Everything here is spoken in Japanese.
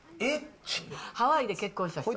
ハワイで結婚した人。